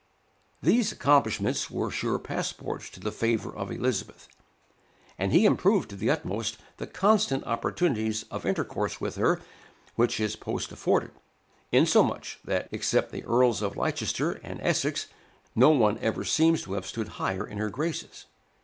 These accomplishments were sure passports to the favor of Elizabeth; and he improved to the utmost the constant opportunities of intercourse with her which his post afforded, insomuch that, except the Earls of Leicester and Essex, no one ever seems to have stood higher in her graces.